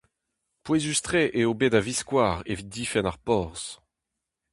Pouezus-tre eo bet a-viskoazh evit difenn ar porzh.